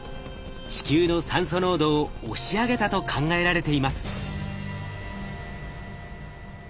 地球の酸素濃度を押し上げたと考えられています。